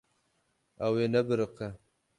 Ew ê nebiriqe.